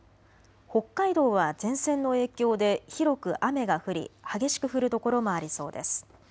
北海道は前線の影響で広く雨が降り激しく降る所もありそうです。